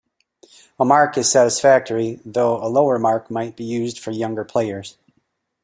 A mark is satisfactory, though a lower mark might be used for younger players.